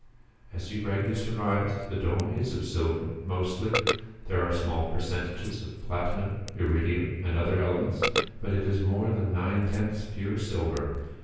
As you rightly surmised, the dome is of silver mostly. There are small percentages of platinum, iridium, and other elements, but it is more than nine tenths pure silver.